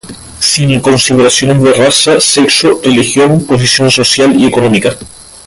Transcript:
Sin consideraciones de raza, sexo, religión, posición social y económica.